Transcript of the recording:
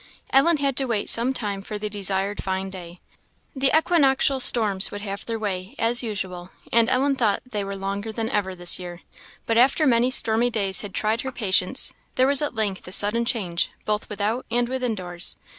Ellen had to wait some time for the desired fine day. The equinoctial storms would have their way, as usual, and Ellen thought they were longer than ever this year. But after many stormy days had tried her patience, there was at length a sudden change, both without and within doors.